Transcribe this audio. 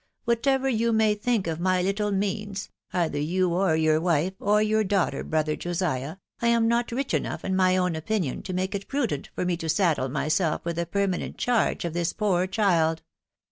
Whatever you may think of my. little means, either you or your wife, or your slaughter, brother iJosiah, I am not rich enough in my own opinion to make it prudent for me to saddle myself with the permanent charge of this poor child.